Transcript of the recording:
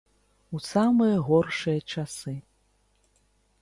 У самыя горшыя часы.